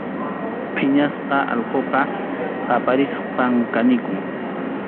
Phiñasqa allquqa qaparispam kanikun.